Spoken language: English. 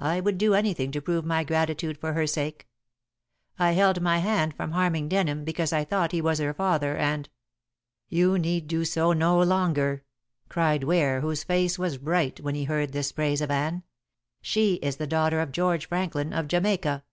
I would do anything to prove my gratitude for her sake. I held my hand from harming Denham because I thought he was her father, and " "You need do so no longer," cried Ware, whose face was bright when he heard this praise of Anne; "she is the daughter of George Franklin, of Jamaica.